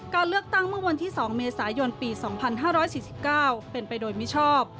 การเลือกตั้งเมื่อวันที่๒เมษายนปี๒๕๔๙เป็นไปโดยมิชอบ